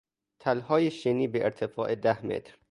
تلهای شنی به ارتفاع ده متر